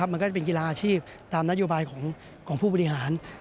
มันก็จะเป็นกีฬาอาชีพตามนโยบายของผู้บริหาร